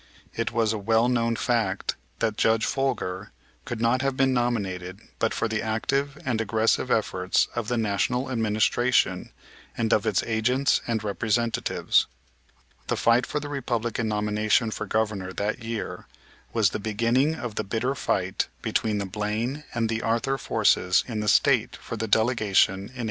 It was a well known fact that Judge Folger could not have been nominated but for the active and aggressive efforts of the National Administration, and of its agents and representatives. The fight for the Republican nomination for Governor that year was the beginning of the bitter fight between the Blaine and the Arthur forces in the State for the delegation in 1884.